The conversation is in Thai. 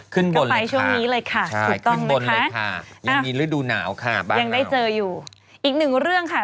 ขึ้นบนเลยค่ะถูกต้องนะคะยังมีฤดูหนาวค่ะบ้างอีกหนึ่งเรื่องค่ะ